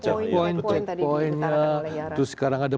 checkpoint checkpointnya terus sekarang ada